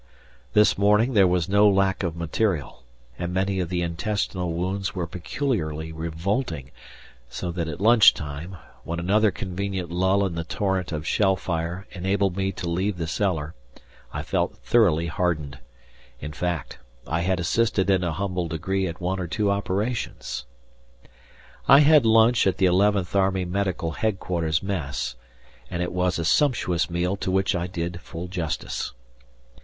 This morning there was no lack of material, and many of the intestinal wounds were peculiarly revolting, so that at lunch time, when another convenient lull in the torrent of shell fire enabled me to leave the cellar, I felt thoroughly hardened; in fact I had assisted in a humble degree at one or two operations. I had lunch at the 11th Army Medical Headquarters Mess, and it was a sumptuous meal to which I did full justice.